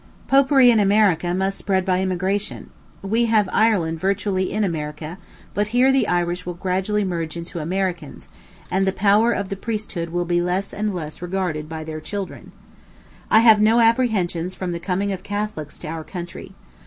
Popery in America must spread by immigration. We have Ireland virtually in America; but here the Irish will gradually merge into Americans, and the power of the priesthood will be less and less regarded by their children. I have no apprehensions from the coming of Catholics to our country.